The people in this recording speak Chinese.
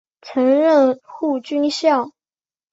曾任护军校。